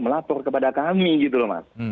melapor kepada kami gitu loh mas